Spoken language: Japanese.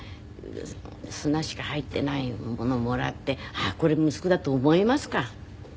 砂しか入っていないものをもらってあっこれ息子だと思いますか？